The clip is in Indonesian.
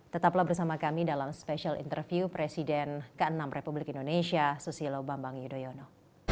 tetaplah bersama kami dalam special interview presiden ke enam republik indonesia susilo bambang yudhoyono